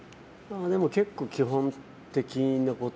結構、基本的なこと。